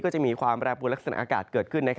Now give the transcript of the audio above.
ก็จะมีความระบวนลักษณะอากาศเกิดขึ้น